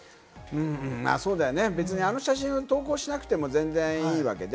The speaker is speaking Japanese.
そうだね、あの写真を投稿しなくても全然いいわけで。